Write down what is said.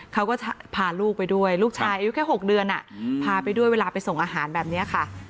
เขาก็พาลูกไปด้วยลูกชายอายุแค่๖เดือนพาไปด้วยเวลาไปส่งอาหารแบบนี้ค่ะ